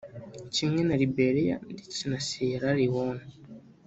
kimwe na Liberia ndetse na Sierra Leone